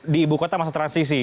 di ibu kota masa transisi